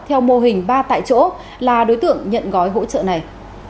theo mô hình ba tại chỗ là đối tượng nhận gói hỗ trợ này